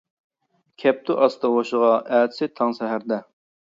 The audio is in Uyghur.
كەپتۇ ئاستا ھوشىغا، ئەتىسى تاڭ سەھەردە.